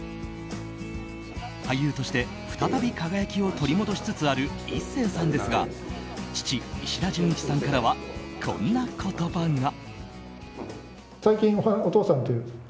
俳優として、再び輝きを取り戻しつつある壱成さんですが父・石田純一さんからはこんな言葉が。